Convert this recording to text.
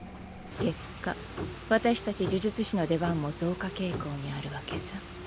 結果私たち呪術師の出番も増加傾向にあるわけさ。